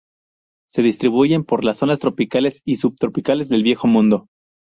Se distribuyen por las zonas tropicales y subtropicales del Viejo Mundo.